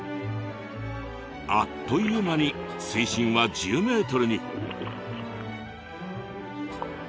あっという間に水深は１０ｍに。